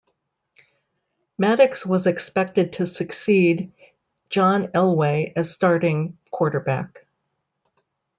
Maddox was expected to succeed John Elway as starting quarterback.